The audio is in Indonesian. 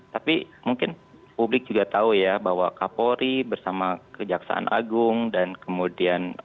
tapi mungkin publik juga tahu ya bahwa kapolri bersama kejaksaan agung dan kemudian